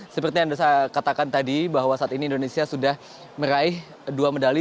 seperti yang anda katakan tadi bahwa saat ini indonesia sudah meraih dua medali